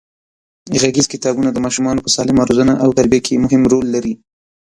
غږیز کتابونه د ماشومانو په سالمه روزنه او تربیه کې مهم رول لري.